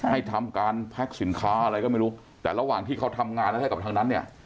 ให้ทำการแพ็คสินค้าอะไรก็ไม่รู้แต่ระหว่างที่เขาทำงานอะไรให้กับทางนั้นเนี่ย